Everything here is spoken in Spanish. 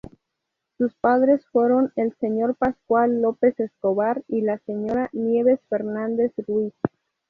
Sus padres fueron el señor Pascual López Escobar y la señora Nieves Fernández Ruiz.